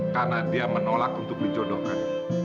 karena dia menolak untuk dicodohkan